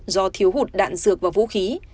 do thiếu hụt đạn dược và vũ khí